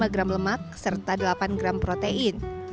empat belas lima gram lemak serta delapan gram protein